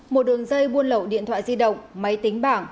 một đường dây buôn lậu điện thoại di động máy tính bảng